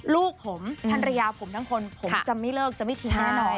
ลูกผมภรรยาผมทั้งคนผมจะไม่เลิกจะไม่ทิ้งแน่นอน